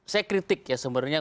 saya kritik ya sebenarnya